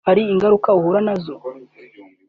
hari ingaruka uhura na zo